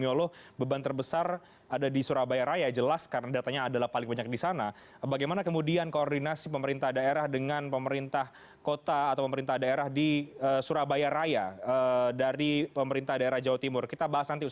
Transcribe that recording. itu yang perlu ditingkatkan